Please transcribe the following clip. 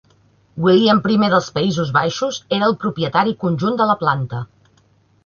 William I dels Països Baixos era el propietari conjunt de la planta.